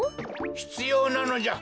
ひつようなのじゃ。